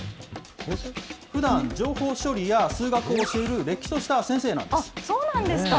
ふだん、情報処理や数学を教える、れっきとした先生なんです。